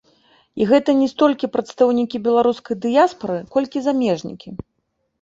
І гэта не столькі прадстаўнікі беларускай дыяспары, колькі замежнікі.